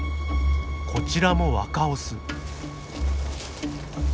こちらも若オス。